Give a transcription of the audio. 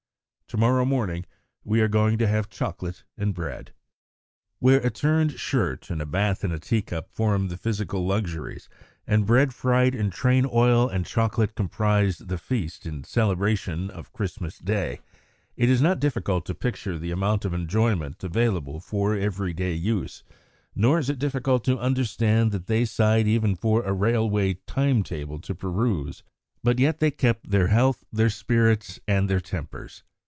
To morrow morning we are going to have chocolate and bread." Where a turned shirt and a bath in a tea cup formed the physical luxuries, and bread fried in train oil and chocolate comprised the feast, in celebration of Christmas Day, it is not difficult to picture the amount of enjoyment available for every day use, nor is it difficult to understand that they sighed even for a railway time table to peruse. But yet they kept their health, their spirits, and their tempers.